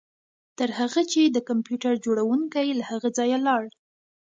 تر هغه چې د کمپیوټر جوړونکی له هغه ځایه لاړ